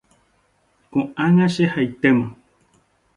Koʼág̃a chehaitéma”.